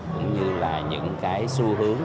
cũng như là những cái xu hướng